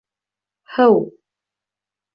ҺЫУ